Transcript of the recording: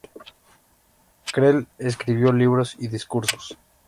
Creel escribió libros y discursos.